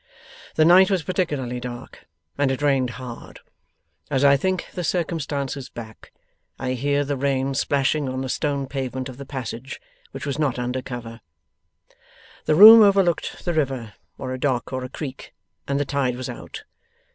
The night was particularly dark and it rained hard. As I think the circumstances back, I hear the rain splashing on the stone pavement of the passage, which was not under cover. The room overlooked the river, or a dock, or a creek, and the tide was out.